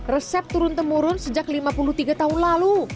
resep turun temurun sejak lima puluh tiga tahun lalu